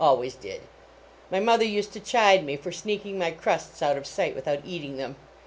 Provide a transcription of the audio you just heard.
Always did. My mother used to chide me for sneaking my crusts out of sight without eating them.